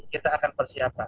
kita akan persiapkan